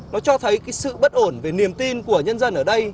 nó cho thấy cái sự bất ổn về niềm tin của nhân dân ở đây